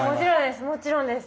もちろんです。